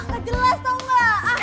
gak jelas tau gak